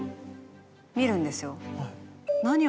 見るんですよ。